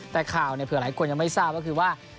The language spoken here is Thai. แต่ข่าวเผื่อหลายคนยังไม่ทราบก็คือว่า